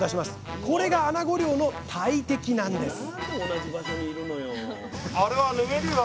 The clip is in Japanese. これがあなご漁の大敵なんです